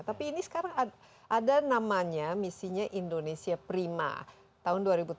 tapi ini sekarang ada namanya misinya indonesia prima tahun dua ribu tujuh belas